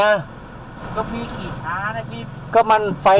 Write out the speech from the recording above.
ต้องมีกี่ช้านะบีบ